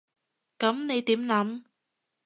噉你點諗？